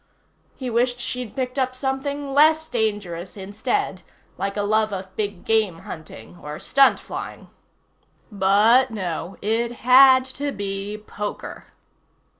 He wished she'd picked up something less dangerous instead, like a love of big game hunting, or stunt flying. But no. It had to be poker.